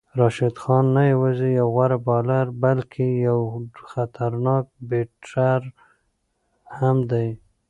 راشد خان نه یوازې یو غوره بالر بلکې یو خطرناک بیټر هم دی.